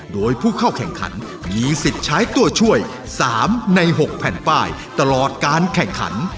โดยผู้เข้าแข่งขันมีสิทธิ์ใช้ตัวช่วย๓ใน๖แผ่นป้ายตลอดการแข่งขัน